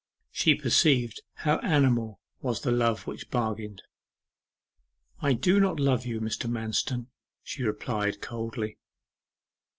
She perceived how animal was the love which bargained. 'I do not love you, Mr. Manston,' she replied coldly.